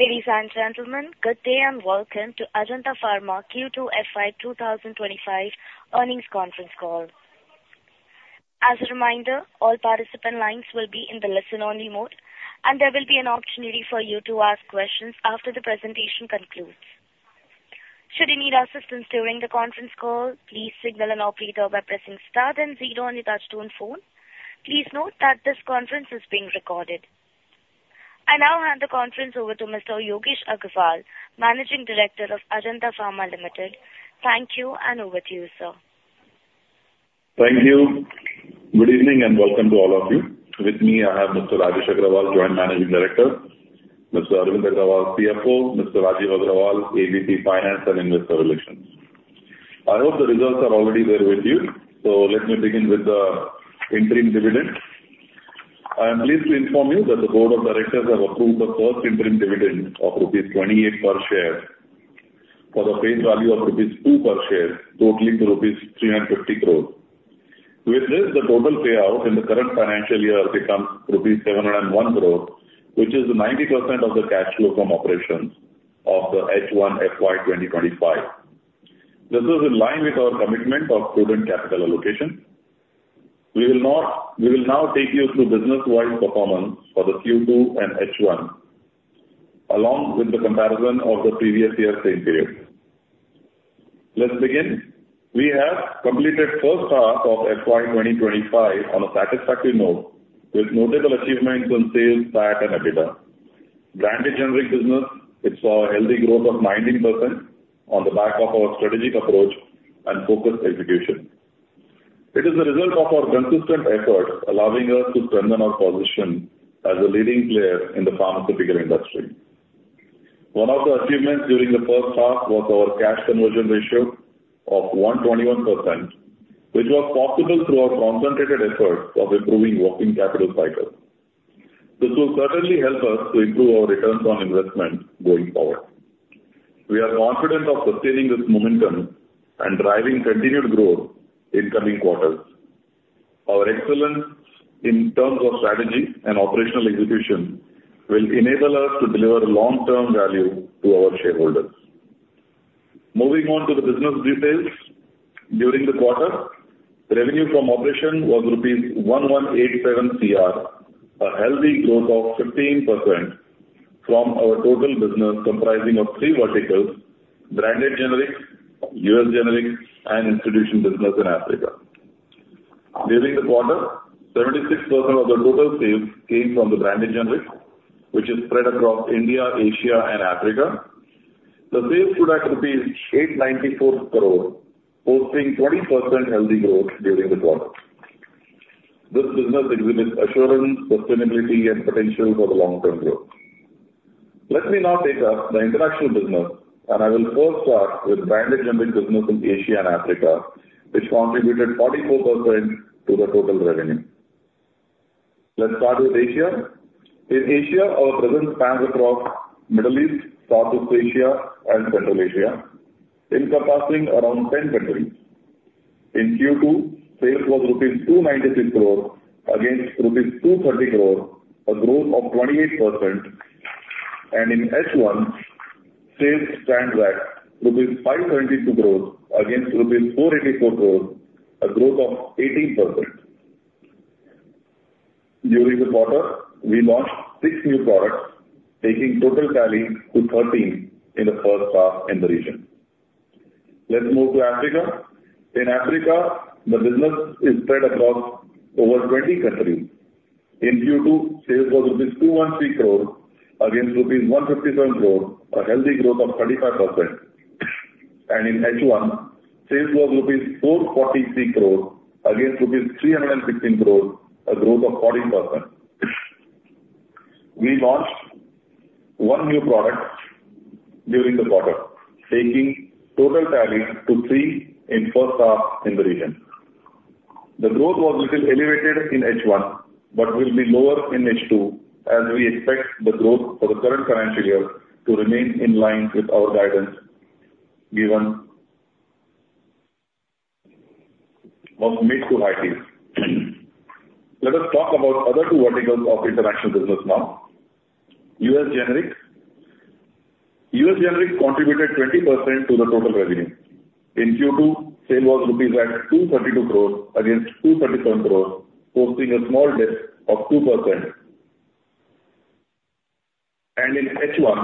Ladies and gentlemen, good day, and welcome to Ajanta Pharma Q2 FY 2025 earnings conference call. As a reminder, all participant lines will be in the listen-only mode, and there will be an opportunity for you to ask questions after the presentation concludes. Should you need assistance during the conference call, please signal an operator by pressing * then zero on your touchtone phone. Please note that this conference is being recorded. I now hand the conference over to Mr. Yogesh Agrawal, Managing Director of Ajanta Pharma Limited. Thank you, and over to you, sir. Thank you. Good evening, and welcome to all of you. With me, I have Mr. Rajesh Agrawal, Joint Managing Director, Mr. Arvind Agrawal, CFO, Mr. Rajiv Agrawal, AVP, Finance and Investor Relations. I hope the results are already there with you, so let me begin with the interim dividend. I am pleased to inform you that the Board of Directors have approved the first interim dividend of rupees 28 per share for the face value of rupees 2 per share, totaling to rupees 350 crore. With this, the total payout in the current financial year becomes rupees 701 crore, which is 90% of the cash flow from operations of the H1 FY 2025. This is in line with our commitment of prudent capital allocation. We will now take you through business-wide performance for the Q2 and H1, along with the comparison of the previous year's same period. Let's begin. We have completed first half of FY twenty twenty-five on a satisfactory note, with notable achievements in sales, PAT, and EBITDA. Branded generic business, which saw a healthy growth of 19% on the back of our strategic approach and focused execution. It is the result of our consistent effort, allowing us to strengthen our position as a leading player in the pharmaceutical industry. One of the achievements during the first half was our cash conversion ratio of 121%, which was possible through our concentrated efforts of improving working capital cycle. This will certainly help us to improve our returns on investment going forward. We are confident of sustaining this momentum and driving continued growth in coming quarters. Our excellence in terms of strategy and operational execution will enable us to deliver long-term value to our shareholders. Moving on to the business details. During the quarter, revenue from operations was rupees 1,187 crore, a healthy growth of 15% from our total business, comprising of three verticals: branded generics, US generics, and institution business in Africa. During the quarter, 76% of the total sales came from the branded generics, which is spread across India, Asia, and Africa. The sales stood at 894 crore, hosting 20% healthy growth during the quarter. This business exhibits assurance, sustainability, and potential for the long-term growth. Let me now take up the international business, and I will first start with branded generic business in Asia and Africa, which contributed 44% to the total revenue. Let's start with Asia. In Asia, our presence spans across Middle East, Southeast Asia, and Central Asia, encompassing around 10 countries. In Q2, sales was rupees 296 crore against rupees 230 crore, a growth of 28%, and in H1, sales stands at rupees 522 crore against rupees 484 crore, a growth of 18%. During the quarter, we launched six new products, taking total tally to 13 in the first half in the region. Let's move to Africa. In Africa, the business is spread across over 20 countries. In Q2, sales was rupees 213 crore against rupees 157 crore, a healthy growth of 35%, and in H1, sales was rupees 443 crore against rupees 316 crore, a growth of 14%. We launched one new product during the quarter, taking total tally to three in first half in the region. The growth was little elevated in H1, but will be lower in H2, as we expect the growth for the current financial year to remain in line with our guidance of mid- to high-teens. Let us talk about other two verticals of international business now. U.S. Generics. U.S. Generics contributed 20% to the total revenue. In Q2, sale was 232 crore rupees against 231 crore, posting a small dip of 2%, and in H1,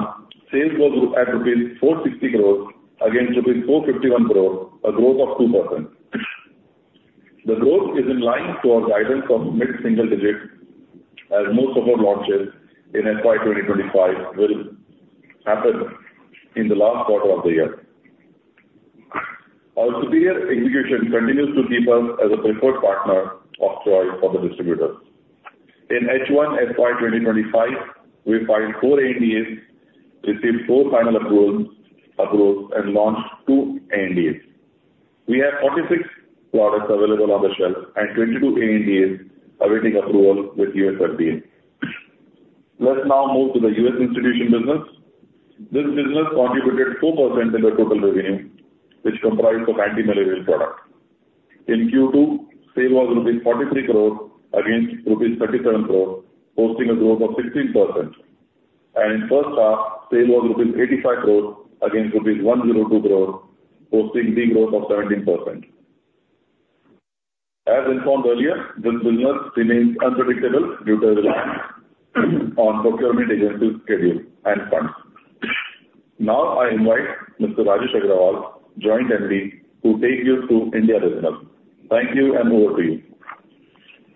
sales was rupees 460 crore against rupees 451 crore, a growth of 2%. The growth is in line with our guidance of mid-single digits, as most of our launches in FY 2025 will happen in the last quarter of the year. Our superior execution continues to keep us as a preferred partner of choice for the distributors. In H1 FY 2025, we filed four ANDAs, received four final approvals, and launched two ANDAs. We have 46 products available on the shelf and 22 ANDAs awaiting approval with U.S. FDA. Let's now move to the U.S. institution business. This business contributed 4% in the total revenue, which comprised of anti-malarial product. In Q2, sale was rupees 43 crore against rupees 37 crore, posting a growth of 16%. In first half, sale was rupees 85 crore against rupees 102 crore, posting the growth of 17%. As informed earlier, this business remains unpredictable due to reliance on procurement agency schedule and funds. Now I invite Mr. Rajesh Agrawal, Joint MD, to take you through India business. Thank you, and over to you.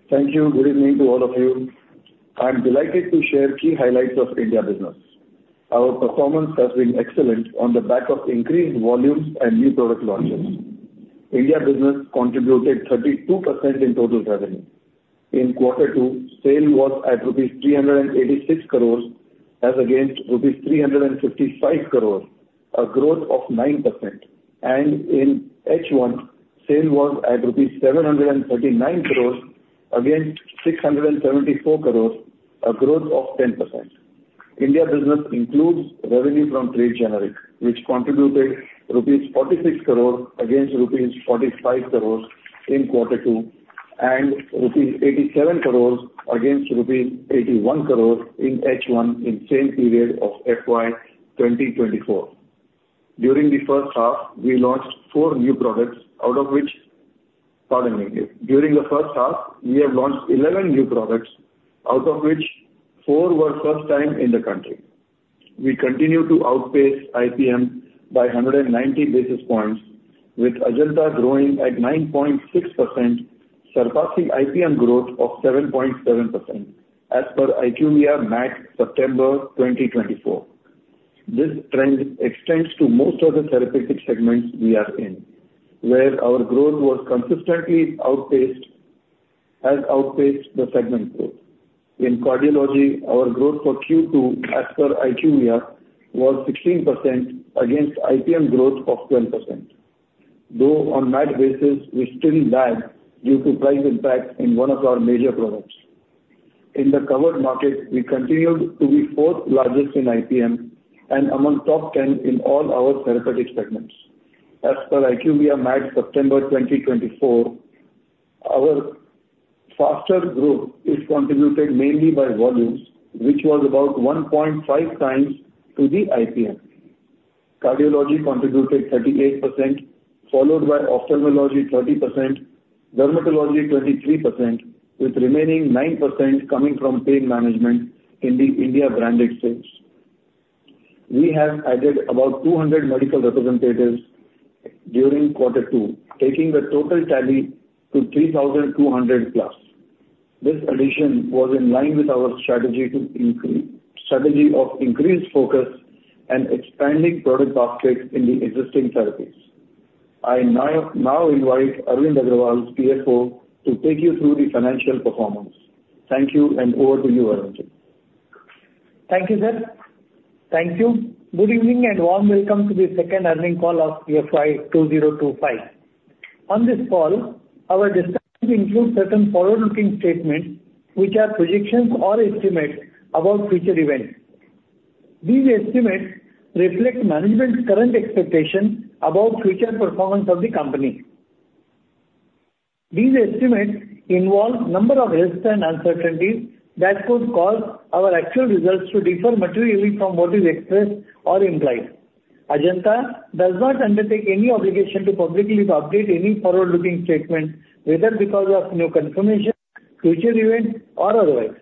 Thank you. Good evening to all of you. I'm delighted to share key highlights of India business. Our performance has been excellent on the back of increased volumes and new product launches. India business contributed 32% in total revenue. In Quarter two, sale was at rupees 386 crores, as against rupees 355 crores, a growth of 9%. And in H1, sale was at 739 crores rupees, against 674 crores, a growth of 10%. India business includes revenue from trade generic, which contributed rupees 46 crore against rupees 45 crores in Quarter two, and rupees 87 crores against rupees 81 crores in H1, in same period of FY 2024. During the first half, we launched four new products, out of which-- Pardon me. During the first half, we have launched eleven new products, out of which four were first time in the country. We continue to outpace IPM by 190 basis points, with Ajanta growing at 9.6%, surpassing IPM growth of 7.7%, as per IQVIA MAT, September 2024. This trend extends to most of the therapeutic segments we are in, where our growth has consistently outpaced the segment growth. In cardiology, our growth for Q2, as per IQVIA, was 16% against IPM growth of 10%, though on MAT basis, we still lag due to price impact in one of our major products. In the covered market, we continued to be fourth largest in IPM and among top 10 in all our therapeutic segments. As per IQVIA MAT, September 2024, our faster growth is contributed mainly by volumes, which was about 1.5 times to the IPM. Cardiology contributed 38%, followed by ophthalmology, 30%, dermatology, 23%, with remaining 9% coming from pain management in the India branded space. We have added about 200 medical representatives during Quarter two, taking the total tally to 3,200 plus. This addition was in line with our strategy of increased focus and expanding product basket in the existing therapies. I now invite Arvind Agrawal, CFO, to take you through the financial performance. Thank you, and over to you, Arvind. Thank you, sir. Thank you. Good evening, and warm welcome to the second earnings call of FY 2025. On this call, our discussions include certain forward-looking statements which are projections or estimates about future events. These estimates reflect management's current expectations about future performance of the company. These estimates involve number of risks and uncertainties that could cause our actual results to differ materially from what is expressed or implied. Ajanta does not undertake any obligation to publicly update any forward-looking statements, whether because of new confirmation, future events, or otherwise.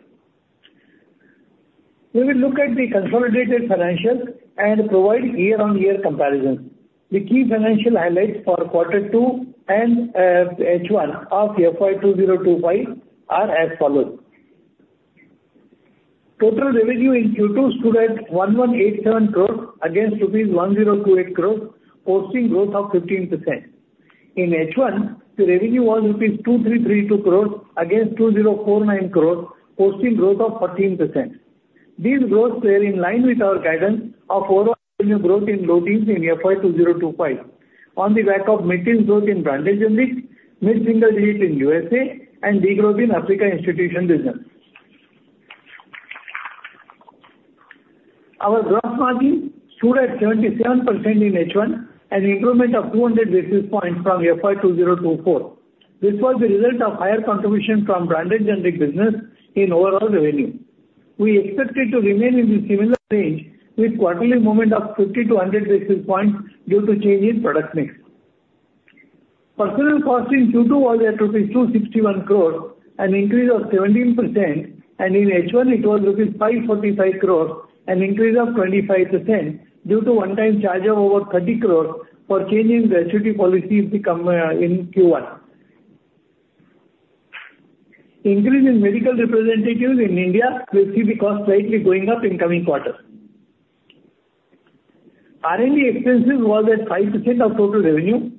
We will look at the consolidated financials and provide year-on-year comparisons. The key financial highlights for quarter 2 and H1 of FY 2025 are as follows: Total revenue in Q2 stood at 1,187 crore against rupees 1,028 crore, posting growth of 15%. In H1, the revenue was rupees 2,332 crores against 2,049 crore, posting growth of 14%. These growths were in line with our guidance of overall revenue growth in low teens in FY 2025, on the back of maintenance growth in branded generics, mid-single digits in USA, and degrowth in Africa institution business. Our gross margin stood at 77% in H1, an improvement of 200 basis points from FY 2024. This was the result of higher contribution from branded generic business in overall revenue. We expect it to remain in the similar range, with quarterly movement of 50-100 basis points due to change in product mix. Personnel cost in Q2 was at rupees 261 crore, an increase of 17%, and in H1, it was rupees 545 crore, an increase of 25%, due to one-time charge of over 30 crore for change in gratuity policies become in Q1. Increase in medical representatives in India will see the cost slightly going up in coming quarters. R&D expenses was at 5% of total revenue.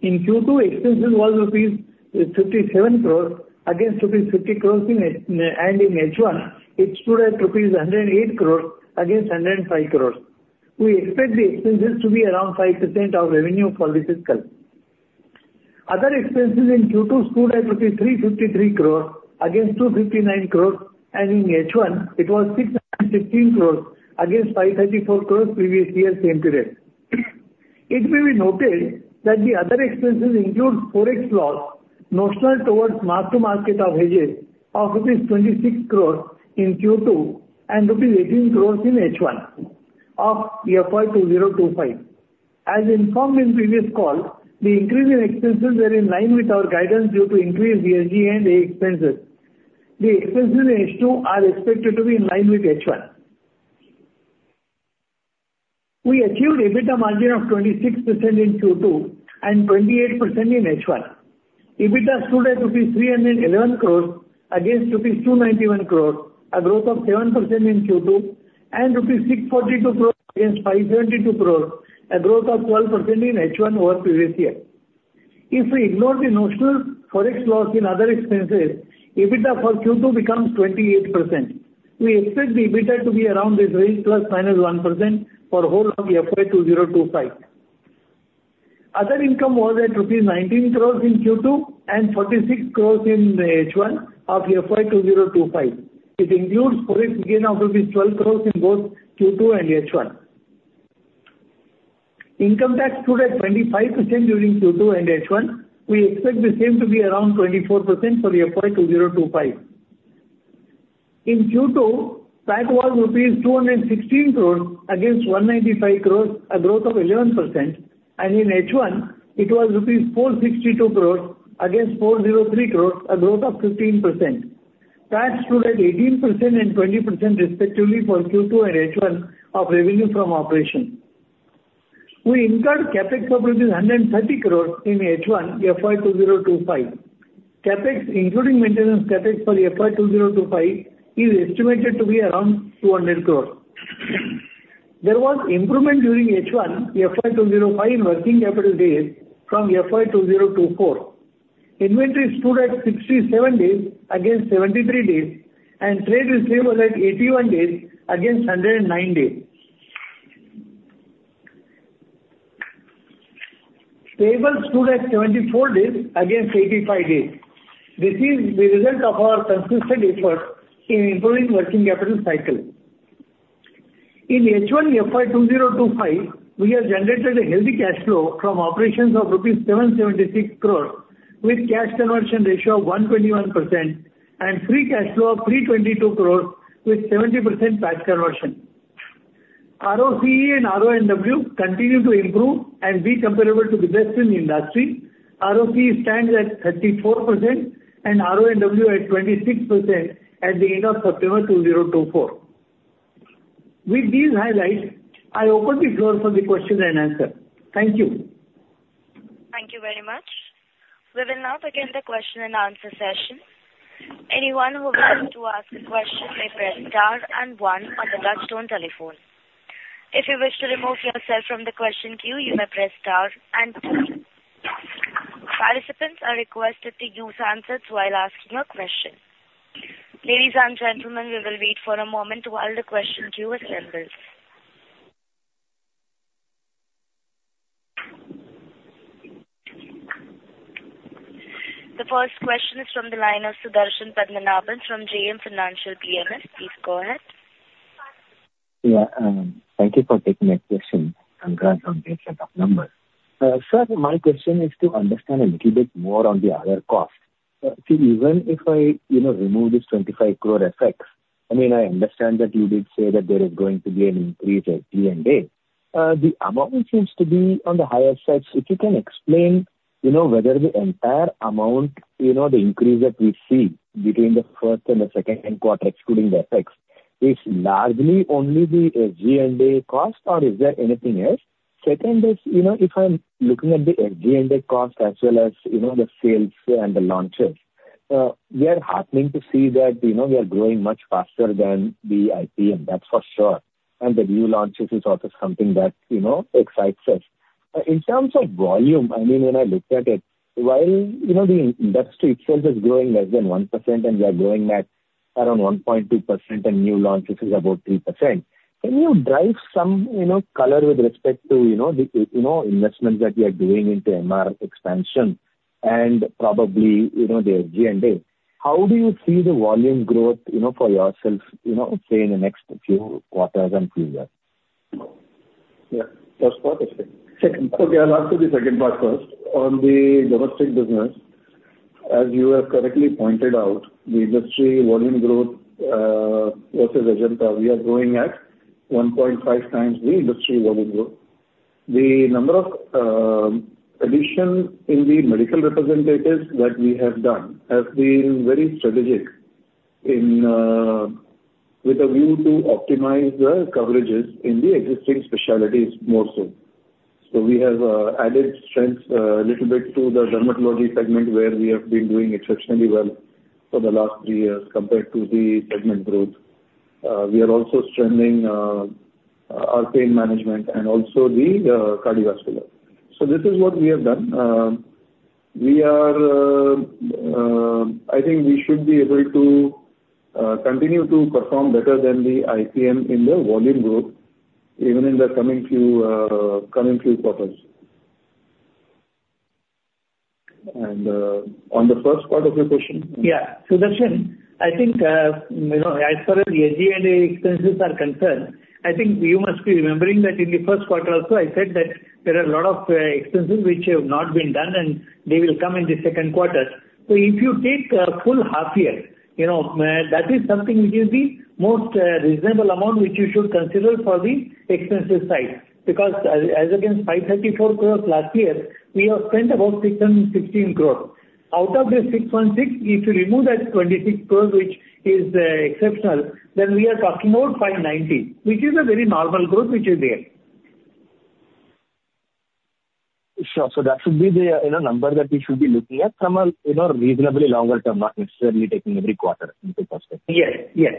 In Q2, expenses was rupees 57 crore against rupees 50 crore in H1 and in H1, it stood at rupees 108 crore against 105 crore. We expect the expenses to be around 5% of revenue for this fiscal. Other expenses in Q2 stood at INR 353 crore against 259 crore, and in H1, it was 615 crore against 534 crore previous year, same period.... It may be noted that the other expenses include Forex loss, notional towards mark-to-market averages of INR 26 crore in Q2, and INR 18 crore in H1 of FY 2025. As informed in previous call, the increase in expenses are in line with our guidance due to increased SG&A expenses. The expenses in H2 are expected to be in line with H1. We achieved EBITDA margin of 26% in Q2 and 28% in H1. EBITDA stood at INR 311 crore against INR 291 crore, a growth of 7% in Q2, and INR 642 crore against 572 crore, a growth of 12% in H1 over previous year. If we ignore the notional Forex loss in other expenses, EBITDA for Q2 becomes 28%. We expect the EBITDA to be around this range, plus/minus 1%, for whole of FY 2025. Other income was at rupees 19 crore in Q2 and 46 crore in H1 of FY 2025. It includes Forex gain of rupees 12 crore in both Q2 and H1. Income tax stood at 25% during Q2 and H1. We expect the same to be around 24% for the FY 2025. In Q2, tax was rupees 216 crore against 195 crore, a growth of 11%, and in H1, it was rupees 462 crore against 403 crore, a growth of 15%. Tax stood at 18% and 20% respectively for Q2 and H1 of revenue from operation. We incurred CapEx of rupees 130 crore in H1, FY 2025. CapEx, including maintenance CapEx for FY 2025, is estimated to be around 200 crore. There was improvement during H1, FY 2025 in working capital days from FY 2024. Inventory stood at 67 days against 73 days, and trade receivable at 81 days against 109 days. Payables stood at 74 days against 85 days. This is the result of our consistent effort in improving working capital cycle. In H1, FY 2025, we have generated a healthy cash flow from operations of rupees 776 crore, with cash conversion ratio of 121%, and free cash flow of 322 crore with 70% cash conversion. ROCE and RONW continue to improve and be comparable to the best in the industry. ROCE stands at 34% and RONW at 26% at the end of September 2024. With these highlights, I open the floor for the question and answer. Thank you. Thank you very much. We will now begin the question and answer session. Anyone who wants to ask a question may press * and one on the touchtone telephone. If you wish to remove yourself from the question queue, you may press * and two. Participants are requested to use handsets while asking a question. Ladies and gentlemen, we will wait for a moment while the question queue assembles. The first question is from the line of Sudarshan Padmanaban from JM Financial PMS. Please go ahead. Yeah, thank you for taking my question, and congrats on the excellent numbers. Sir, my question is to understand a little bit more on the other costs. So even if I, you know, remove this 25 crore FX, I mean, I understand that you did say that there is going to be an increase at SG&A. The amount seems to be on the higher side. So if you can explain, you know, whether the entire amount, you know, the increase that we see between the first and the second quarter, excluding the FX, is largely only the SG&A cost, or is there anything else? Second is, you know, if I'm looking at the SG&A cost as well as, you know, the sales and the launches, we are happening to see that, you know, we are growing much faster than the IPM, that's for sure. And the new launches is also something that, you know, excites us. In terms of volume, I mean, when I looked at it, while you know the industry itself is growing less than 1%, and we are growing at around 1.2% and new launches is about 3%, can you drive some, you know, color with respect to, you know, the, you know, investments that we are doing into MR expansion and probably, you know, the SG&A? How do you see the volume growth, you know, for yourself, you know, say, in the next few quarters and few years? Yeah. First part is... Okay, I'll answer the second part first. On the domestic business, as you have correctly pointed out, the industry volume growth versus Ajanta, we are growing at one point five times the industry volume growth. The number of addition in the medical representatives that we have done has been very strategic in with a view to optimize the coverages in the existing specialties more so. So we have added strength a little bit to the dermatology segment, where we have been doing exceptionally well for the last three years compared to the segment growth. We are also strengthening our pain management and also the cardiology. So this is what we have done. I think we should be able to continue to perform better than the IPM in the volume growth, even in the coming few quarters.... on the first part of your question? Yeah. Sudarshan, I think, you know, as far as SG&A expenses are concerned, I think you must be remembering that in the first quarter also, I said that there are a lot of expenses which have not been done, and they will come in the second quarter. So if you take a full half year, you know, that is something which is the most reasonable amount which you should consider for the expenses side. Because as against 534 crores last year, we have spent about 616 crores. Out of this 616, if you remove that 26 crores, which is exceptional, then we are talking about 590, which is a very normal growth, which is there. Sure. So that should be the, you know, number that we should be looking at from a, you know, reasonably longer term, not necessarily taking every quarter into perspective. Yes, yes.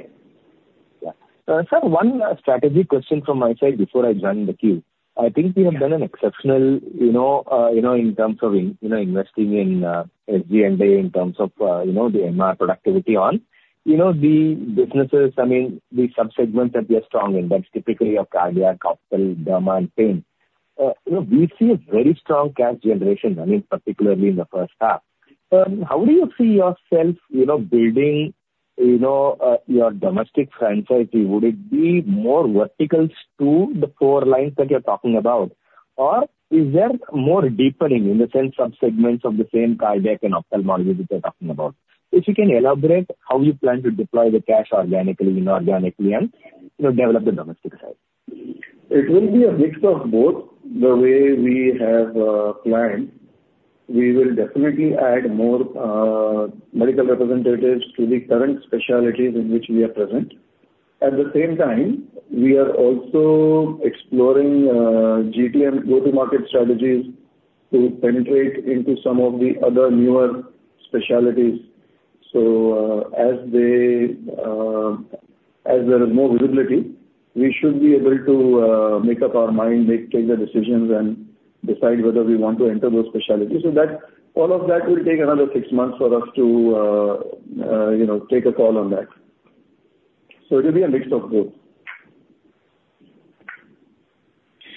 Yeah. Sir, one strategic question from my side before I join the queue. I think we have done an exceptional, you know, you know, in terms of you know, investing in SG&A, in terms of you know, the MR productivity on, you know, the businesses, I mean, the sub-segments that we are strong in, that's typically of cardiac, ophthal, derma, and pain. You know, we see a very strong cash generation, I mean, particularly in the first half. How do you see yourself, you know, building, you know, your domestic franchise? Would it be more verticals to the four lines that you're talking about, or is there more deepening in the sense of segments of the same cardiac and ophthalmology that you're talking about? If you can elaborate how you plan to deploy the cash organically, inorganically, and, you know, develop the domestic side? It will be a mix of both. The way we have planned, we will definitely add more medical representatives to the current specialties in which we are present. At the same time, we are also exploring GTM, go-to-market strategies, to penetrate into some of the other newer specialties. So, as there is more visibility, we should be able to make up our mind, take the decisions and decide whether we want to enter those specialties. So that all of that will take another six months for us to you know, take a call on that. So it will be a mix of both.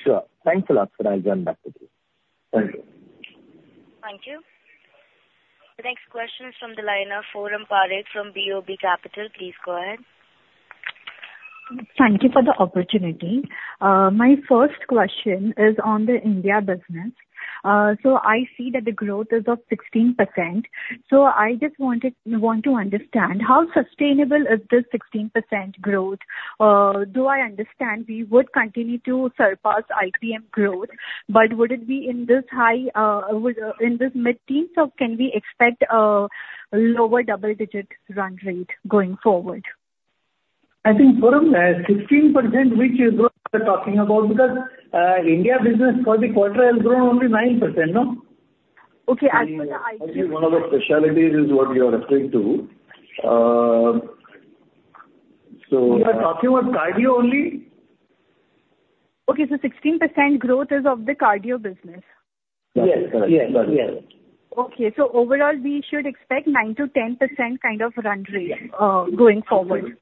Sure. Thanks a lot, sir. I'll join back with you. Thank you. Thank you. The next question is from the line of Forum Parekh from BOB Capital. Please go ahead. Thank you for the opportunity. My first question is on the India business. So I see that the growth is of 16%. So I just wanted to understand, how sustainable is this 16% growth? Though I understand we would continue to surpass IPM growth, but would it be in this high mid-teens, or can we expect a lower double digit run rate going forward? I think, Forum, 16%, which growth we are talking about? Because, India business for the quarter has grown only 9%, no? Okay, as per the IPM. I think one of the specialties is what you are referring to, so- We are talking about cardio only. Okay, so 16% growth is of the cardio business. Yes, correct. Yes, yes. Okay. So overall, we should expect 9%-10% kind of run rate going forward.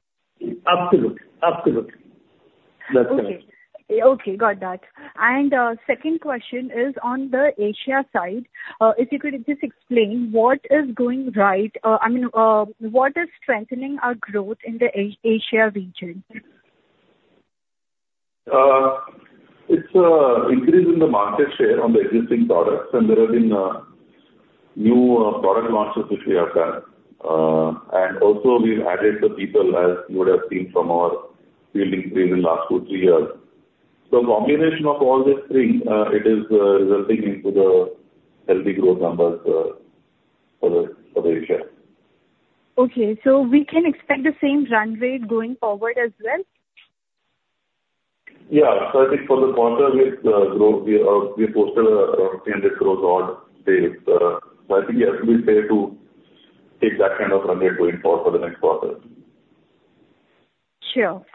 Absolutely. Absolutely. That's correct. Okay. Okay, got that. And second question is on the Asia side. If you could just explain, what is going right, I mean, what is strengthening our growth in the Asia region? It's increase in the market share on the existing products, and there have been new product launches which we have done. And also we've added the people, as you would have seen from our field force rate in last two, three years. So combination of all these three, it is resulting into the healthy growth numbers for the Asia. Okay. So we can expect the same run rate going forward as well? Yeah. So I think for the quarter, we've grown. We posted around 10% growth on this. So I think, yes, we are fair to take that kind of run rate going forward for the next quarter. Sure.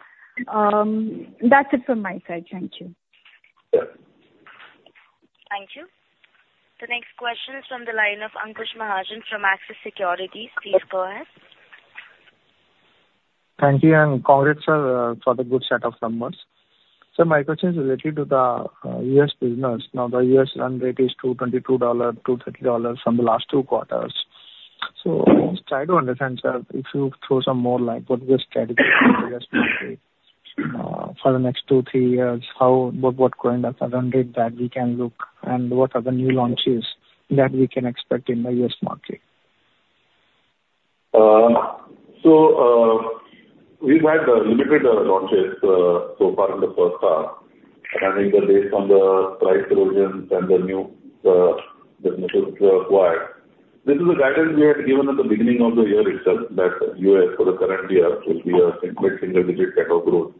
That's it from my side. Thank you. Sure. Thank you. The next question is from the line of Ankush Mahajan from Axis Securities. Please go ahead. Thank you, and congrats, sir, for the good set of numbers. So my question is related to the US business. Now, the US run rate is $222-$230 from the last two quarters. So try to understand, sir, if you throw some more light, what we are strategies in the US market, for the next two, three years, how... What kind of run rate that we can look, and what are the new launches that we can expect in the US market? So, we've had limited launches so far in the first half, and I think that based on the price provisions and the new, the methods required. This is a guidance we had given at the beginning of the year itself, that U.S., for the current year, will be a single digit type of growth,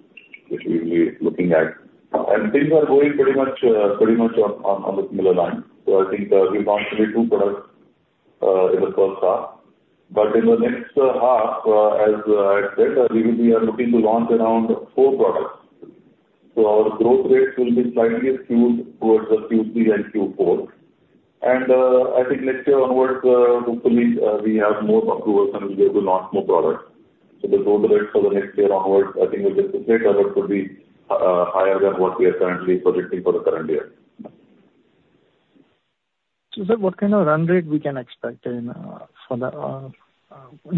which we'll be looking at. And things are going pretty much on the similar line. So I think, we've launched only two products in the first half. But in the next half, as I said, we will be looking to launch around four products. So our growth rates will be slightly skewed towards the Q3 and Q4. I think next year onwards, hopefully, we have more approvals, and we'll be able to launch more products. The growth rate for the next year onwards, I think will be the same, but it could be higher than what we are currently projecting for the current year. Sir, what kind of run rate we can expect in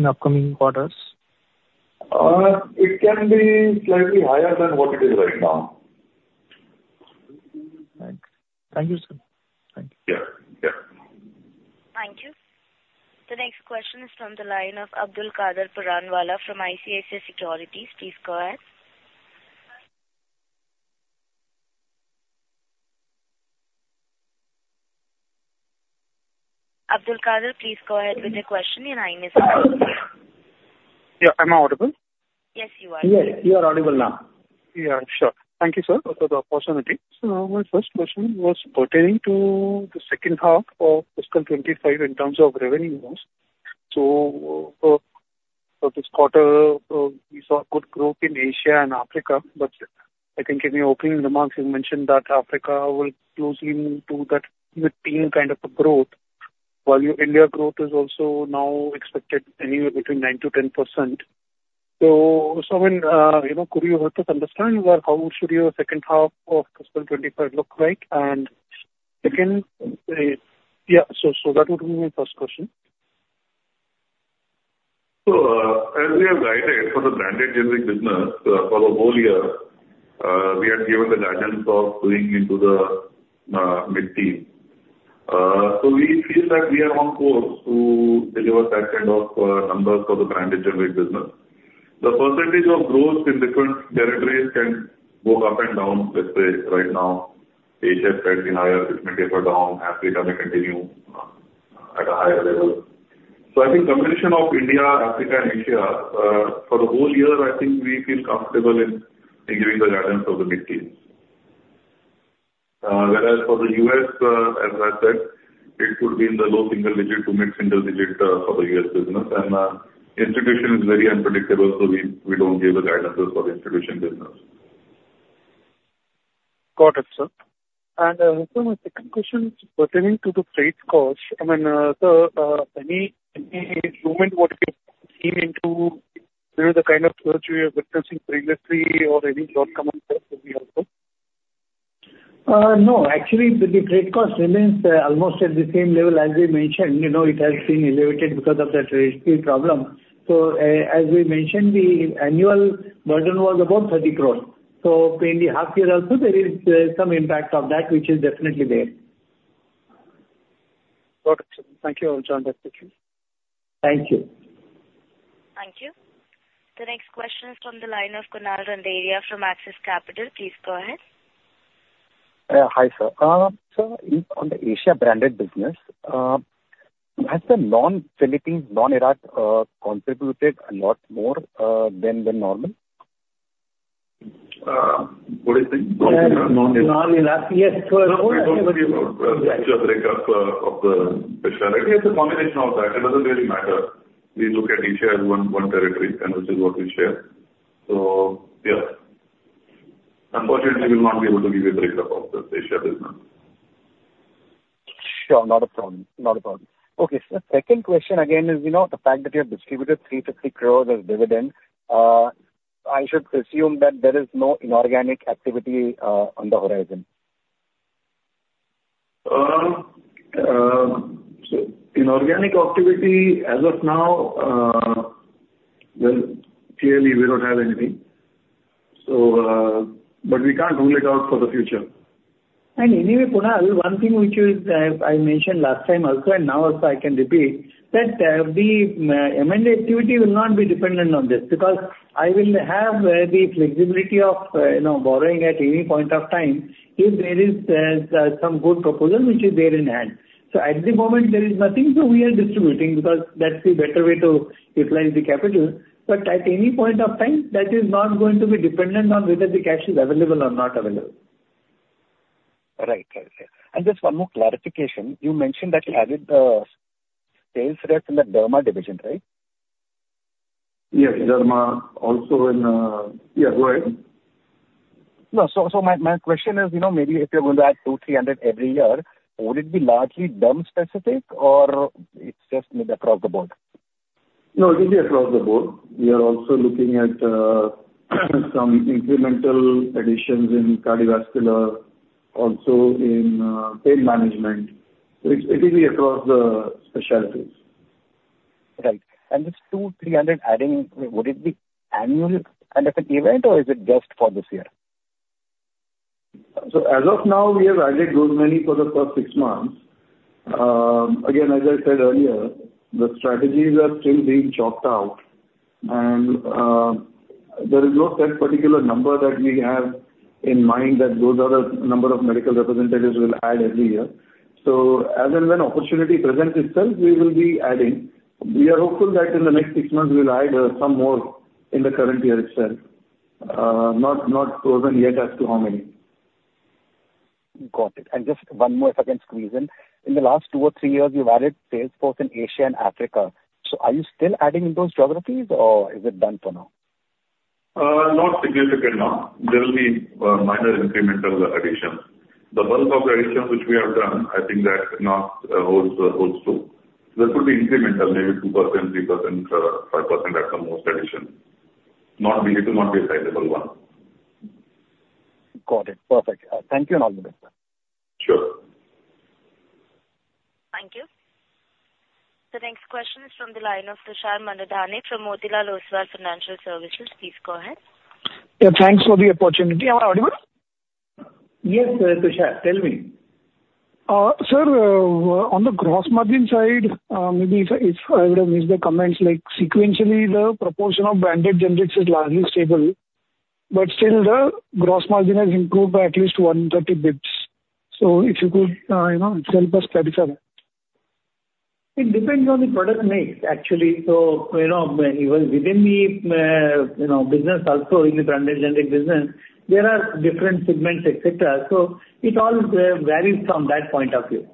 upcoming quarters? It can be slightly higher than what it is right now. Thank you, sir. Thank you. Yeah, yeah. Thank you. The next question is from the line of Abdul Kader Puranwala from ICICI Securities. Please go ahead. Abdul Kader, please go ahead with your question, your line is open. Yeah. Am I audible? Yes, you are. Yes, you are audible now. Yeah, sure. Thank you, sir, for the opportunity. So my first question was pertaining to the second half of fiscal twenty-five in terms of revenue growth. So, for this quarter, we saw good growth in Asia and Africa, but I think in your opening remarks, you mentioned that Africa will closely move to that mid-teen kind of a growth, while your India growth is also now expected anywhere between 9%-10%. So, when, you know, could you help us understand where, how should your second half of fiscal twenty-five look like? And second, yeah, so that would be my first question. As we have guided for the branded generic business, for the whole year, we had given the guidance of going into the mid-teen. So we feel that we are on course to deliver that kind of numbers for the branded generic business. The percentage of growth in different territories can go up and down. Let's say right now, Asia has been higher, it may taper down, Africa may continue at a higher level. I think combination of India, Africa, and Asia, for the whole year, I think we feel comfortable in giving the guidance of the mid-teen. Whereas for the US, as I said, it could be in the low single digit to mid-single digit for the US business. Institution is very unpredictable, so we don't give the guidances for the institution business. Got it, sir. And, so my second question is pertaining to the freight cost. I mean, sir, any improvement what we are seeing into the kind of growth we are witnessing previously or any volume coming through also? No, actually, the freight cost remains almost at the same level as we mentioned. You know, it has been elevated because of that Red Sea problem. So as we mentioned, the annual burden was about 30 crore. So in the half year also, there is some impact of that, which is definitely there. Got it. Thank you. I'll join that question. Thank you. Thank you. The next question is from the line of Kunal Randeria from Axis Capital. Please go ahead. Hi, sir. So on the Asia branded business, has the non-Philippines, non-Iraq contributed a lot more than the normal? What do you think? Non-Iraq, yes. Sir, we don't give you a breakup of the Asia. It's a combination of that. It doesn't really matter. We look at Asia as one, one territory, and this is what we share. So yeah, unfortunately, we will not be able to give you a breakup of the Asia business. Sure. Not a problem, not a problem. Okay, sir, second question again is, you know, the fact that you have distributed 350 crores as dividend, I should assume that there is no inorganic activity on the horizon? Inorganic activity, as of now, well, clearly, we don't have anything, so, but we can't rule it out for the future. Anyway, Kunal, one thing which is, I mentioned last time also and now also I can repeat, that, the M&A activity will not be dependent on this. Because I will have, the flexibility of, you know, borrowing at any point of time if there is, some good proposal which is there in hand. So at the moment, there is nothing, so we are distributing because that's the better way to utilize the capital. But at any point of time, that is not going to be dependent on whether the cash is available or not available. Right. Right. Yeah, and just one more clarification. You mentioned that you added sales rep in the Derma division, right? Yes, Derma also in. Yeah, go ahead. No, so my question is, you know, maybe if you're going to add two, three hundred every year, would it be largely Derm specific, or it's just maybe across the board? No, it will be across the board. We are also looking at some incremental additions in cardiovascular, also in pain management. So it will be across the specialties. Right. And this two, three hundred adding, would it be annual kind of an event, or is it just for this year? So as of now, we have added those many for the first six months. Again, as I said earlier, the strategies are still being chalked out, and there is no set particular number that we have in mind that those are the number of medical representatives we'll add every year. So as and when opportunity presents itself, we will be adding. We are hopeful that in the next six months, we will add some more in the current year itself. Not certain yet as to how many. Got it. And just one more, if I can squeeze in. In the last two or three years, you've added sales force in Asia and Africa. So are you still adding in those geographies, or is it done for now?... Not significant, no. There will be minor incremental additions. The bulk of the additions which we have done, I think that holds true. There could be incremental, maybe 2%, 3%, 5% at the most addition. It will not be a sizable one. Got it. Perfect. Thank you and all the best, sir. Sure. Thank you. The next question is from the line of Tushar Manudhane from Motilal Oswal Financial Services. Please go ahead. Yeah, thanks for the opportunity. Am I audible? Yes, Tushar, tell me. Sir, on the gross margin side, maybe if I would have missed the comments, like sequentially, the proportion of branded generics is largely stable, but still the gross margin has improved by at least 130 basis points. So if you could, you know, help us clarify that. It depends on the product mix, actually. So, you know, even within the, you know, business also, in the branded generic business, there are different segments, et cetera, so it all varies from that point of view.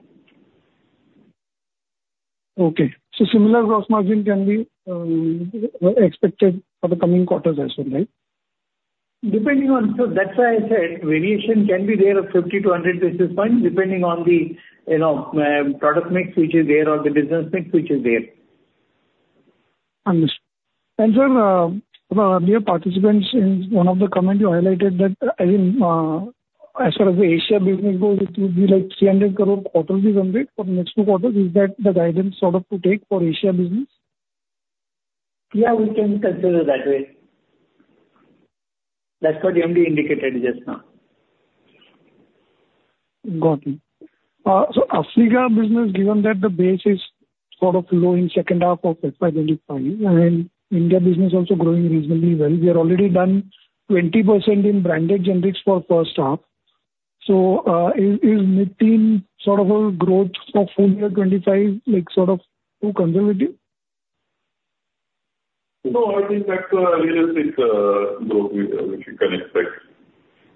Okay. So similar gross margin can be expected for the coming quarters as well, right? Depending on... So that's why I said variation can be there of 50-100 basis points, depending on the, you know, product mix which is there, or the business mix which is there. Understood. Sir, dear participants, in one of the comments you highlighted that, I mean, as far as the Asia business goes, it will be like 300 crore quarter run rate for the next two quarters. Is that the guidance sort of to take for Asia business? Yeah, we can consider it that way. That's what the MD indicated just now. Got it. So Africa business, given that the base is sort of low in second half of fiscal 2025, and India business also growing reasonably well, we have already done 20% in branded generics for first half. So, is mid-teen sort of a growth of full year 2025, like, sort of too conservative? No, I think that's a realistic growth which you can expect.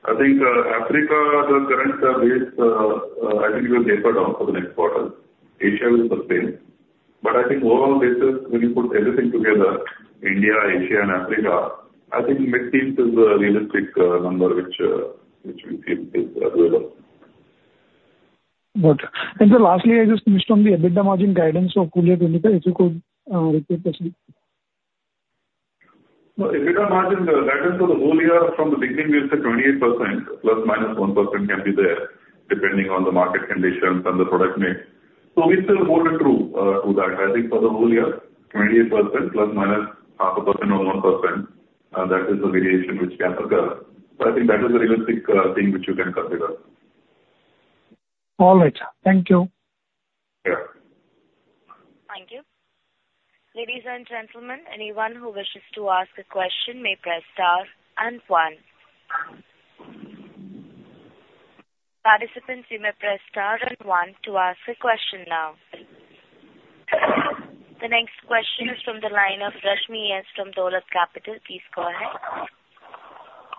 I think Africa, the current base, I think it will taper down for the next quarter. Asia will be the same. But I think overall basis, when you put everything together, India, Asia and Africa, I think mid-teen is a realistic number which we feel is available. Got it, and sir, lastly, I just missed on the EBITDA margin guidance of full year twenty-five, if you could repeat, please. EBITDA margin guidance for the whole year from the beginning we said 28%, plus or minus 1% can be there, depending on the market conditions and the product mix. So we're still holding true to that. I think for the whole year, 28% plus, minus 0.5% or 1%, that is the variation which can occur. But I think that is a realistic thing which you can consider. All right. Thank you. Yeah. Thank you. Ladies and gentlemen, anyone who wishes to ask a question may press * and one. Participants, you may press * and one to ask a question now. The next question is from the line of Rashmi Sancheti from Dolat Capital. Please go ahead.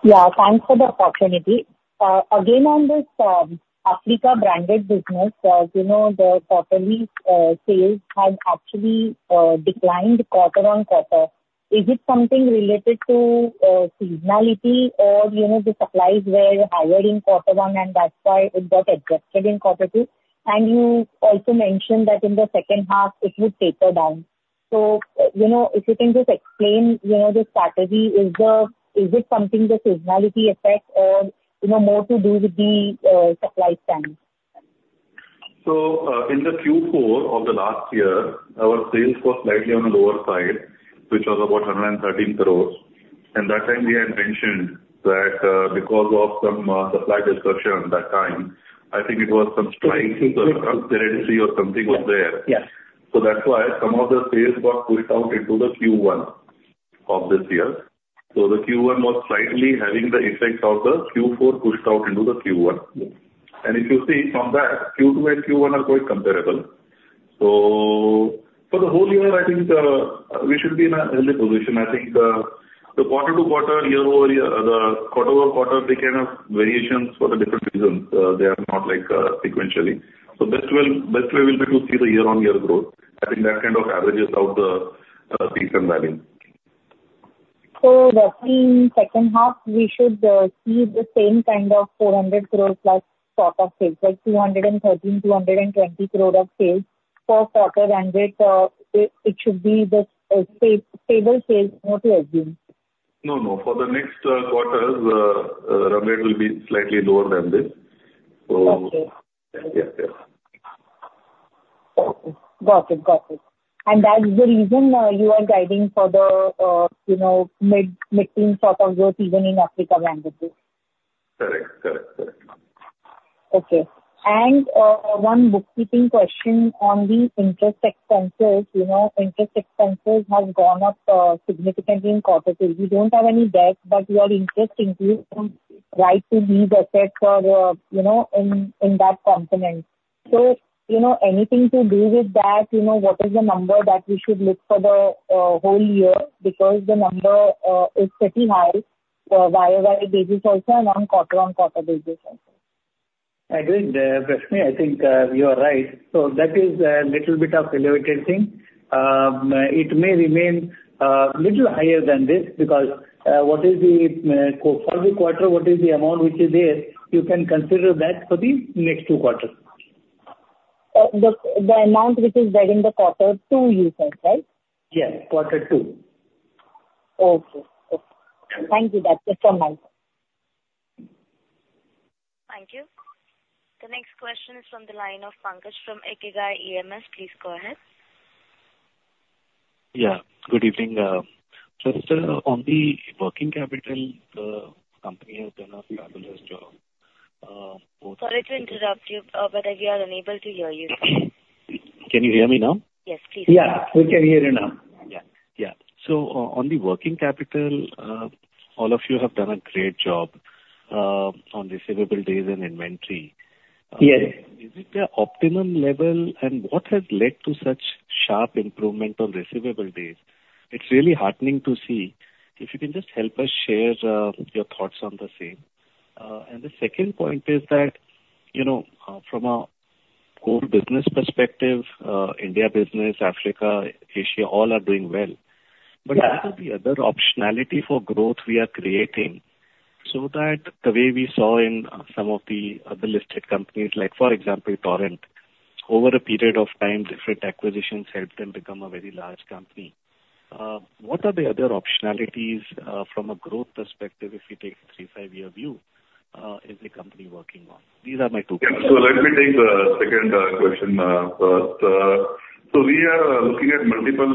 Yeah, thanks for the opportunity. Again, on this, Africa branded business, you know, the quarterly sales have actually declined quarter on quarter. Is it something related to seasonality or, you know, the supplies were higher in quarter one and that's why it got adjusted in quarter two? And you also mentioned that in the second half it would taper down. So, you know, if you can just explain, you know, the strategy. Is it something the seasonality effect or, you know, more to do with the supply chain? In the Q4 of the last year, our sales were slightly on the lower side, which was about 113 crore. That time we had mentioned that, because of some supply disruption that time, I think it was some strike or currency or something was there. Yes. So that's why some of the sales got pushed out into the Q1 of this year. So the Q1 was slightly having the FX of the Q4 pushed out into the Q1. Yes. If you see from that, Q2 and Q1 are quite comparable. So for the whole year, I think we should be in a healthy position. I think the quarter to quarter, year over year, the quarter over quarter, they can have variations for the different reasons. They are not like sequentially. So best way will be to see the year-on-year growth. I think that kind of averages out the season variance. So roughly in second half, we should see the same kind of 400 crores plus sort of sales, like 213-220 crore of sales for quarter ended. It should be the stable sales more or less then? No, no. For the next quarters, run rate will be slightly lower than this. So- Okay. Yeah, yeah. Got it. Got it. And that is the reason, you are guiding for the, you know, mid-teen sort of growth even in Africa branded business? Correct. Correct, correct. Okay. And one bookkeeping question on the interest expenses. You know, interest expenses have gone up significantly in quarter two. You don't have any debt, but you are incurring interest on right-of-use assets or, you know, in that component. So, you know, anything to do with that, you know, what is the number that we should look for the whole year? Because the number is pretty high year over year basis also, and on quarter on quarter basis also.... Agreed, Prashni, I think you are right. So that is a little bit of elevated thing. It may remain little higher than this, because what is the amount which is there. You can consider that for the next two quarters. The amount which is there in the quarter two, you said, right? Yes, quarter two. Okay. Okay. Thank you, that's just for now. Thank you. The next question is from the line of Pankaj from Edelweiss PMS. Please go ahead. Yeah, good evening. Just on the working capital, the company has done a fabulous job. Sorry to interrupt you, but we are unable to hear you. Can you hear me now? Yes, please. Yeah, we can hear you now. Yeah, yeah. So on the working capital, all of you have done a great job on receivable days and inventory. Yes. Is it the optimum level, and what has led to such sharp improvement on receivable days? It's really heartening to see. If you can just help us share, your thoughts on the same. And the second point is that, you know, from a whole business perspective, India business, Africa, Asia, all are doing well. Yeah. But what are the other optionality for growth we are creating, so that the way we saw in some of the other listed companies, like, for example, Torrent, over a period of time, different acquisitions helped them become a very large company. What are the other optionalities, from a growth perspective if you take a three- to five-year view, is the company working on? These are my two questions. Yeah. So let me take the second question first. So we are looking at multiple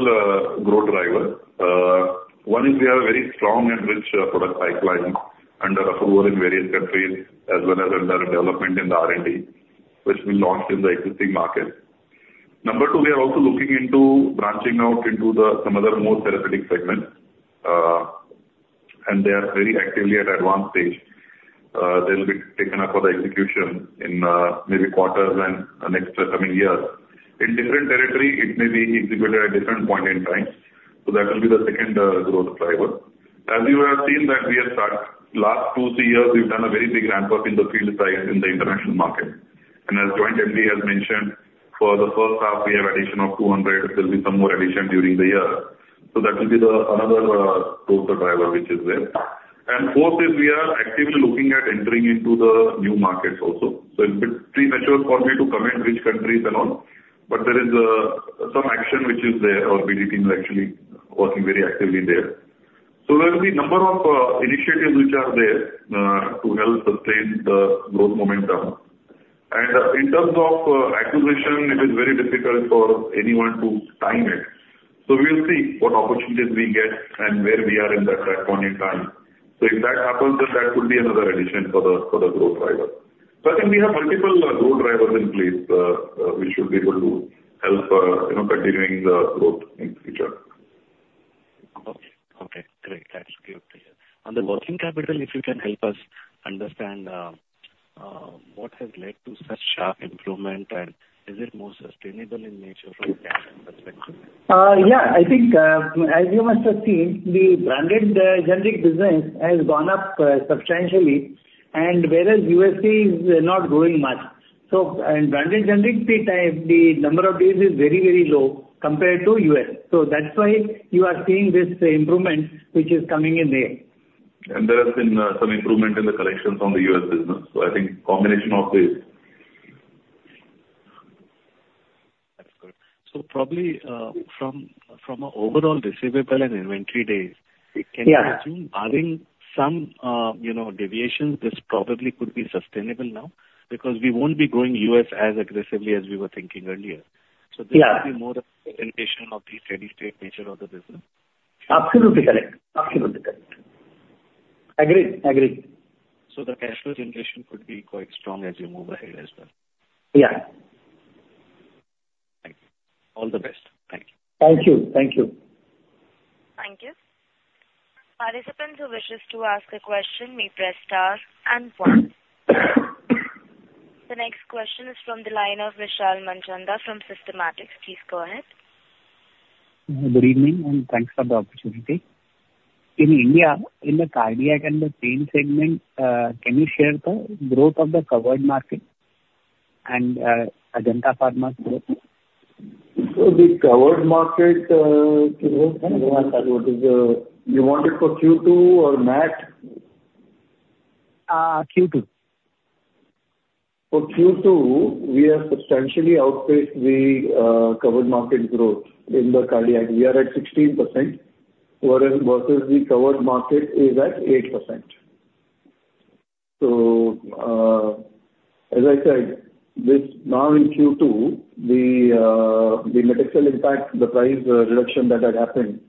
growth driver. One is we have a very strong and rich product pipeline under approval in various countries, as well as under development in the R&D, which we launched in the existing market. Number two, we are also looking into branching out into the some other more therapeutic segment, and they are very actively at advanced stage. They'll be taken up for the execution in maybe quarters and next coming years. In different territory, it may be executed at different point in time, so that will be the second growth driver. As you have seen that we have last two, three years, we've done a very big ramp-up in the field size in the international market. As Joint MD has mentioned, for the first half, we have addition of two hundred. There will be some more addition during the year. That will be another growth driver which is there. Fourth is we are actively looking at entering into the new markets also. It's pretty premature for me to comment which countries and all, but there is some action which is there. Our BD team is actually working very actively there. There will be a number of initiatives which are there to help sustain the growth momentum. In terms of acquisition, it is very difficult for anyone to time it. We'll see what opportunities we get and where we are in that point in time. If that happens, then that could be another addition for the growth driver. So I think we have multiple growth drivers in place, which should be able to help, you know, continuing the growth in future. Okay. Okay, great. That's clear. On the working capital, if you can help us understand what has led to such sharp improvement, and is it more sustainable in nature from a cash perspective? Yeah, I think, as you must have seen, the branded generic business has gone up substantially, and whereas USG is not growing much. So and branded generic, the time, the number of days is very, very low compared to U.S. So that's why you are seeing this improvement which is coming in there. And there has been some improvement in the collections from the U.S. business, so I think combination of this. That's good, so probably from an overall receivable and inventory days- Yeah. Can we assume barring some, you know, deviations, this probably could be sustainable now? Because we won't be growing US as aggressively as we were thinking earlier. Yeah. So this will be more of a representation of the steady-state nature of the business. Absolutely correct. Absolutely correct. Agree, agree. So the cash flow generation could be quite strong as you move ahead as well. Yeah. Thank you. All the best. Thank you. Thank you. Thank you. Thank you. Participants who wish to ask a question may press * and one. The next question is from the line of Vishal Manchanda from Systematix. Please go ahead. Good evening, and thanks for the opportunity. In India, in the cardiac and the pain segment, can you share the growth of the covered market and, Ajanta Pharma's growth? So the covered market growth. What is the? You want it for Q2 or MAT? Uh, Q2. For Q2, we have substantially outpaced the covered market growth in the cardiology. We are at 16%, whereas versus the covered market is at 8%. So, as I said, this now in Q2, the material impact, the price reduction that had happened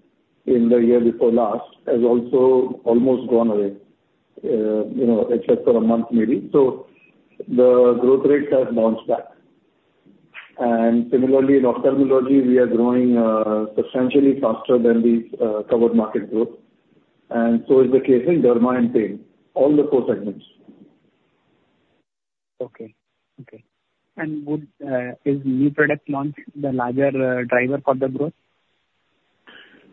in the year before last has also almost gone away, you know, except for a month maybe. So the growth rate has bounced back, and similarly, in ophthalmology, we are growing substantially faster than the covered market growth, and so is the case in dermatology and pain. All the four segments. Okay. And is new product launch the larger driver for the growth?...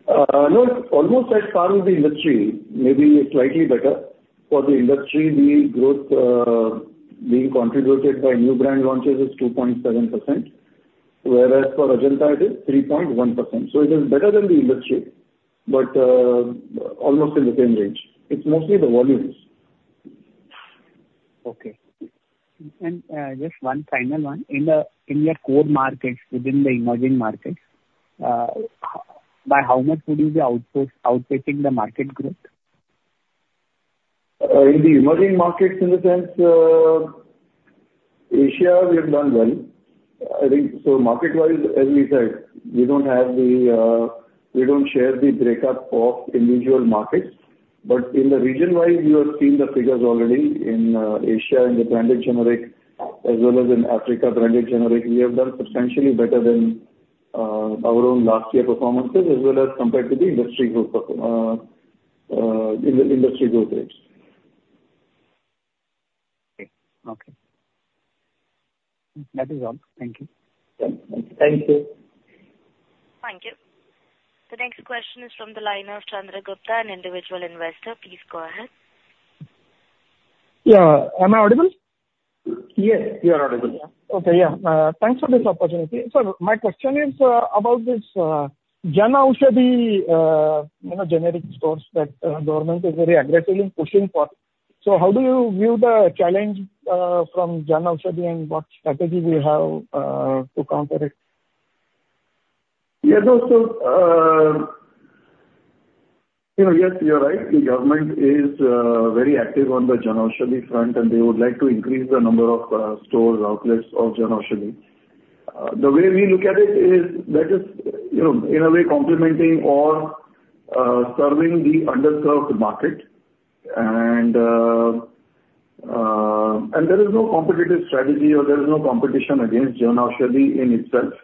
No, almost at par with the industry, maybe slightly better. For the industry, the growth, being contributed by new brand launches is 2.7%, whereas for Ajanta it is 3.1%. So it is better than the industry, but, almost in the same range. It's mostly the volumes. Okay. And, just one final one. In the, in your core markets, within the emerging markets, by how much would you be outpacing the market growth? In the emerging markets in the sense, Asia, we have done well. I think so market-wise, as we said, we don't share the breakup of individual markets. But in the region-wide, you have seen the figures already in, Asia, in the branded generic as well as in Africa, branded generic. We have done substantially better than, our own last year performances, as well as compared to the industry group, industry growth rates. Okay. That is all. Thank you. Thank you. Thank you. The next question is from the line of Chandra Gupta, an individual investor. Please go ahead. Yeah. Am I audible? Yes, you are audible. Yeah. Okay, yeah. Thanks for this opportunity. Sir, my question is about this Janaushadhi, you know, generic stores that government is very aggressively pushing for. So how do you view the challenge from Janaushadhi, and what strategy we have to counter it? Yeah, no, so, you know, yes, you're right. The government is very active on the Janaushadhi front, and they would like to increase the number of stores, outlets of Janaushadhi. The way we look at it is that is, you know, in a way complementing or serving the underserved market. And, and there is no competitive strategy or there is no competition against Janaushadhi in itself.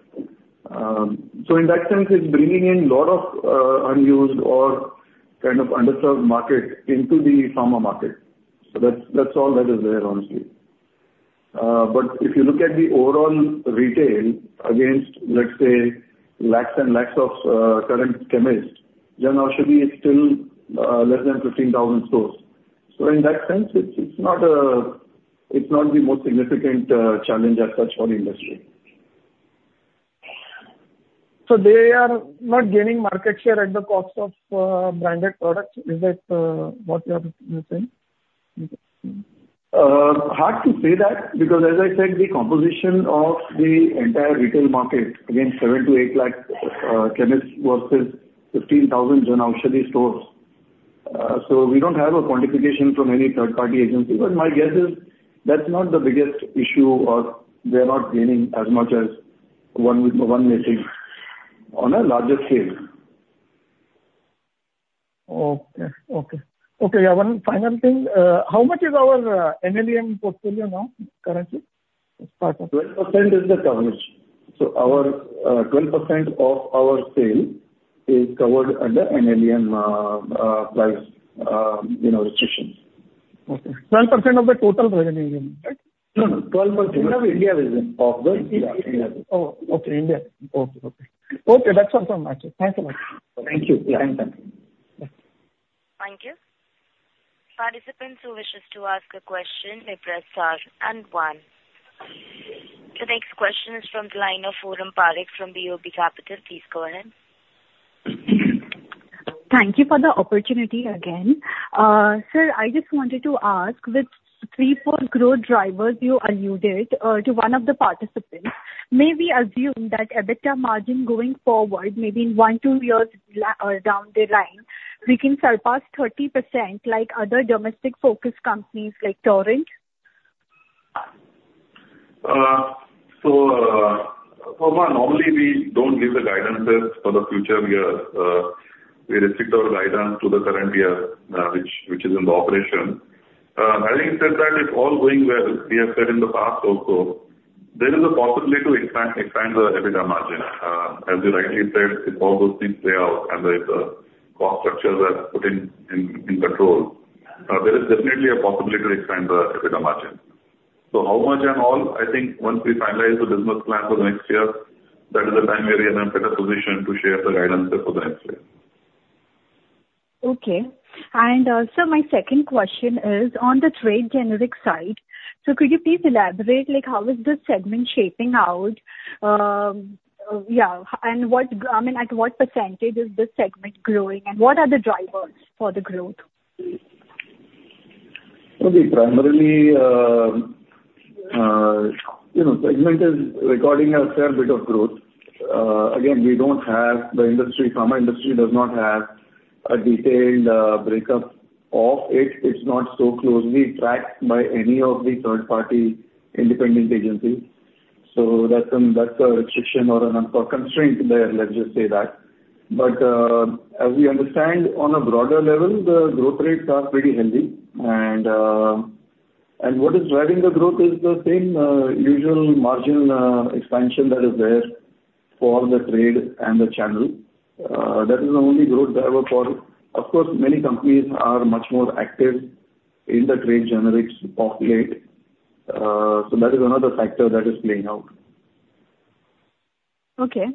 So in that sense, it's bringing in lot of unused or kind of underserved market into the pharma market. So that's, that's all that is there, honestly. But if you look at the overall retail against, let's say, lakhs and lakhs of current chemists, Janaushadhi is still less than fifteen thousand stores. So in that sense, it's, it's not, it's not the most significant challenge as such for the industry. So they are not gaining market share at the cost of branded products, is that what you are saying? Hard to say that, because as I said, the composition of the entire retail market against seven to eight lakh chemists versus 15,000 Janaushadhi stores. So we don't have a quantification from any third-party agency. But my guess is that's not the biggest issue or they're not gaining as much as one would, one may think on a larger scale. Okay, yeah, one final thing. How much is our NLEM portfolio now currently? 12% is the coverage. So our 12% of our sale is covered under NLEM price, you know, restrictions. Okay. 12% of the total NLEM, right? No, no, 12%- Of India NLEM. Of the India, yeah. Oh, okay, India. Okay, okay. Okay, that's all from me. Thank you much. Thank you. Yeah, thank you. Thank you. Participants who wish to ask a question, they press * and one. The next question is from the line of Forum Parekh from BOB Capital. Please go ahead. Thank you for the opportunity again. Sir, I just wanted to ask, with three, four growth drivers you alluded to one of the participants, may we assume that EBITDA margin going forward, maybe in one, two years down the line, we can surpass 30% like other domestic-focused companies like Torrent? So, Forum, normally we don't give the guidances for the future years. We restrict our guidance to the current year, which is in the operation. Having said that, it's all going well. We have said in the past also, there is a possibility to expand the EBITDA margin. As you rightly said, if all those things play out and the cost structures are put in control, there is definitely a possibility to expand the EBITDA margin. So how much and all, I think once we finalize the business plan for next year, that is the time we are in a better position to share the guidance for the next year. Okay. And, sir, my second question is on the trade generic side. So could you please elaborate, like, how is this segment shaping out? And what, I mean, at what percentage is this segment growing, and what are the drivers for the growth? So we primarily, you know, segment is recording a fair bit of growth. Again, we don't have the industry. Pharma industry does not have a detailed breakup of it. It's not so closely tracked by any of the third-party independent agencies. So that's an, that's a restriction or a constraint there, let's just say that. But as we understand on a broader level, the growth rates are pretty healthy. And, and what is driving the growth is the same usual margin expansion that is there for the trade and the channel. That is the only growth driver for... Of course, many companies are much more active in the trade generics space.... So that is another factor that is playing out. Okay,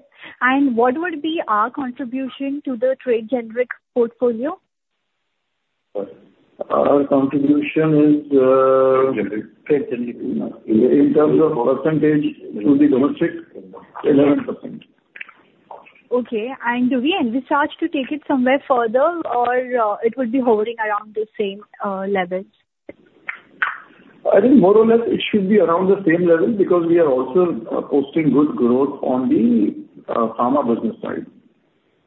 and what would be our contribution to the trade generics portfolio? Our contribution is, in terms of percentage to the domestic, 11%. Okay, and do we envisage to take it somewhere further or it would be hovering around the same levels? I think more or less it should be around the same level, because we are also posting good growth on the pharma business side,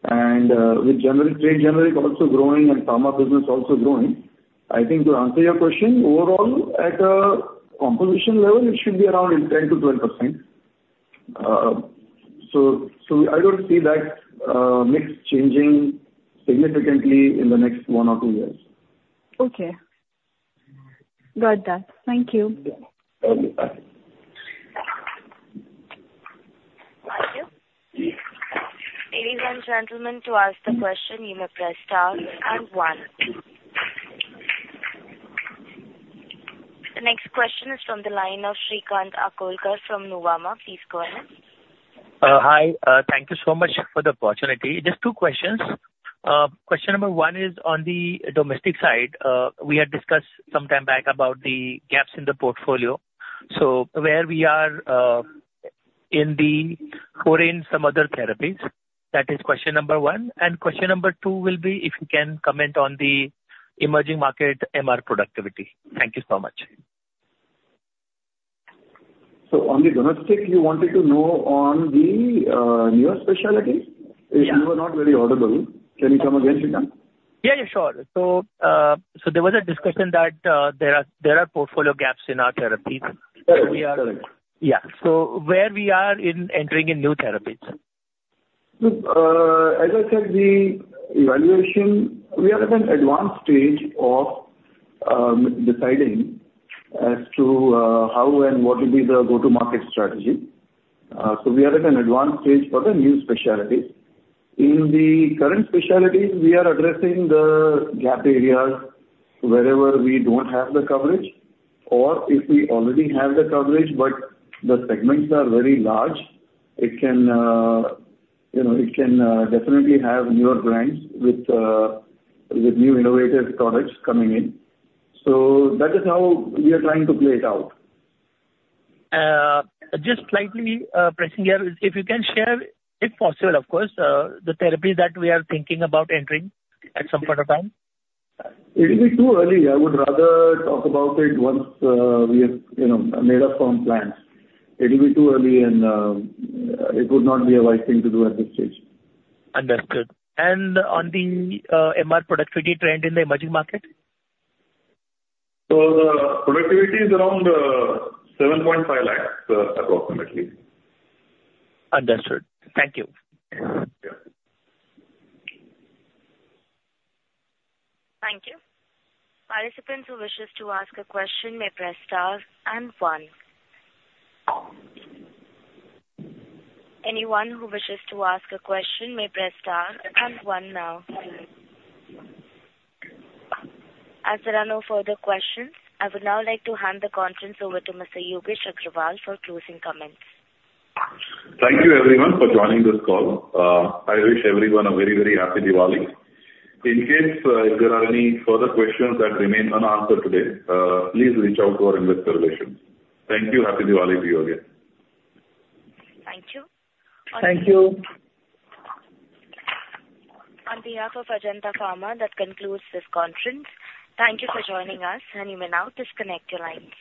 and with generic, trade generic also growing and pharma business also growing. I think to answer your question, overall, at a composition level, it should be around eight to 10%, so I don't see that mix changing significantly in the next one or two years. Okay. Got that. Thank you. Okay, bye. Thank you. Ladies and gentlemen, to ask the question, you may press * and one. The next question is from the line of Individual Investor. Please go ahead. Hi, thank you so much for the opportunity. Just two questions. Question number one is on the domestic side. We had discussed some time back about the gaps in the portfolio. So where we are in the core in some other therapies? That is question number one. And question number two will be if you can comment on the emerging market, MR productivity. Thank you so much. So on the domestic, you wanted to know on the newer specialty? Yeah. You were not very audible. Can you come again, Shrikant? Yeah, yeah, sure. So, so there was a discussion that there are portfolio gaps in our therapies. Correct. So where we are in entering in new therapies? Look, as I said, the evaluation, we are at an advanced stage of deciding as to how and what will be the go-to-market strategy. So we are at an advanced stage for the new specialties. In the current specialties, we are addressing the gap areas wherever we don't have the coverage or if we already have the coverage, but the segments are very large, it can, you know, it can definitely have newer brands with new innovative products coming in. So that is how we are trying to play it out. Just slightly pressing here. If you can share, if possible, of course, the therapy that we are thinking about entering at some point of time. It will be too early. I would rather talk about it once we have, you know, made up our plans. It will be too early and it would not be a wise thing to do at this stage. Understood. And on the MR productivity trend in the emerging market? The productivity is around 7.5 lakhs, approximately. Understood. Thank you. Yeah. Thank you. Participants who wishes to ask a question may press * and one. Anyone who wishes to ask a question may press * and one now. As there are no further questions, I would now like to hand the conference over to Mr. Yogesh Agrawal for closing comments. Thank you everyone for joining this call. I wish everyone a very, very happy Diwali. In case, if there are any further questions that remain unanswered today, please reach out to our investor relations. Thank you. Happy Diwali to you all again. Thank you. Thank you. On behalf of Ajanta Pharma, that concludes this conference. Thank you for joining us. You may now disconnect your lines.